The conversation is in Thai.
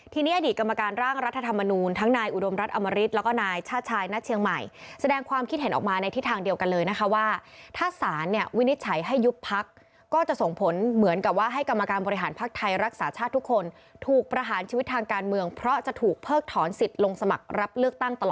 ทีนี้อดีตกรรมการร่างรัฐธรรมนูลทั้งนายอุดมรัฐอมริตแล้วก็นายชาติชายณเชียงใหม่แสดงความคิดเห็นออกมาในทิศทางเดียวกันเลยนะคะว่าถ้าศาลเนี่ยวินิจฉัยให้ยุบพักก็จะส่งผลเหมือนกับว่าให้กรรมการบริหารภักดิ์ไทยรักษาชาติทุกคนถูกประหารชีวิตทางการเมืองเพราะจะถูกเพิกถอนสิทธิ์ลงสมัครรับเลือกตั้งต